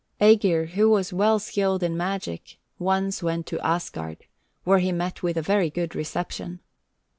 68. Ægir, who was well skilled in magic, once went to Asgard, where he met with a very good reception.